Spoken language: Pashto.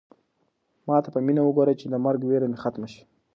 ما ته په مینه وګوره چې د مرګ وېره مې ختمه شي.